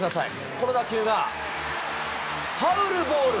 この打球が、ファウルボール。